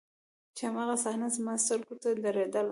چې هماغه صحنه زما سترګو ته درېدله.